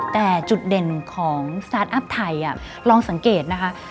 แต่จุดเด่นของสตาร์ทอัพไทยลองสังเกตนะคะ